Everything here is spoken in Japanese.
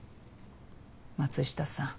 松下さん